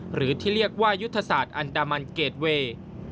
หรือที่เรียกว่ายุทธศาสตร์อันดามันเกรดเวย์